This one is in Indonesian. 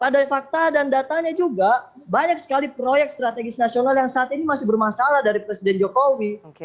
dan data dan datanya juga banyak sekali proyek strategis nasional yang saat ini masih bermasalah dari presiden jokowi